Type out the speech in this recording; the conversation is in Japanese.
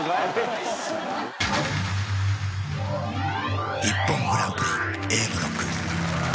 ［『ＩＰＰＯＮグランプリ』Ａブロック］